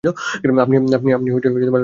আপনি লাইনে আছেন?